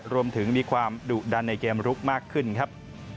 รวมถึงมีความดุดันในเกมลุกมากขึ้นครับ